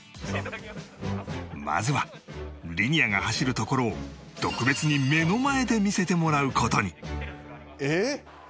まずはリニアが走るところを特別に目の前で見せてもらう事に